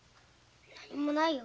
何もないよ。